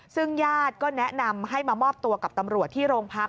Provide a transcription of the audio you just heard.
ซึ่งญาติก็แนะนำให้มามอบตัวกับตำรวจที่โรงพัก